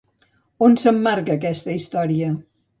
On s'emmarca aquesta història?